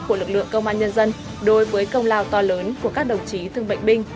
của lực lượng công an nhân dân đối với công lao to lớn của các đồng chí thương bệnh binh